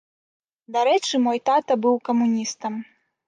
Дарэчы, мой тата быў камуністам.